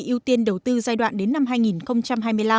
ưu tiên đầu tư giai đoạn đến năm hai nghìn hai mươi năm